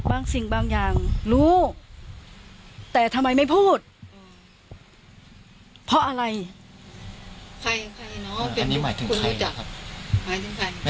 อันนี้หมายถึงใครครับแม่หมายถึงใครครับ